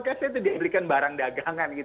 cashnya itu dibelikan barang dagangan